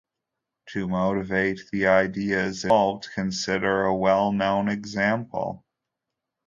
To motivate the ideas involved, consider a well-known example.